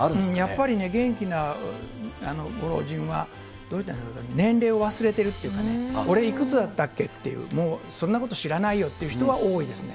やっぱりね、元気なご老人は、年齢を忘れてるっていうかね、俺いくつだったっけっていう、もう、そんなこと知らないよってそうか。